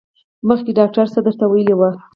مخکې ډاکټر څه درته ویلي وو؟